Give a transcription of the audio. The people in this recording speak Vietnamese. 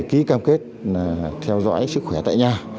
ký cam kết theo dõi sức khỏe tại nhà